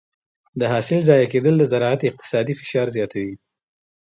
د حاصل ضایع کېدل د زراعت اقتصادي فشار زیاتوي.